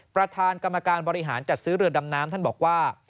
ประธานกรรมการบริหารจัดซื้อเรือดำน้ำท่านบอกว่า